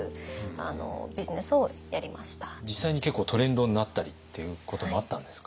実際に結構トレンドになったりっていうこともあったんですか？